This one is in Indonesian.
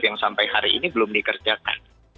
yang sampai hari ini belum dikerjakan